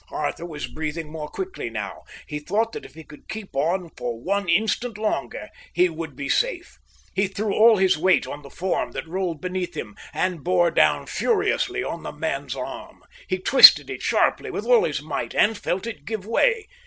Arthur was breathing more quickly now. He thought that if he could keep on for one instant longer, he would be safe. He threw all his weight on the form that rolled beneath him, and bore down furiously on the man's arm. He twisted it sharply, with all his might, and felt it give way.